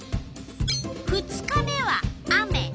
２日目は雨。